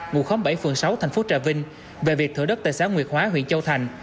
ngụ bảy phường sáu thành phố trà vinh về việc thửa đất tài sản nguyệt hóa huyện châu thành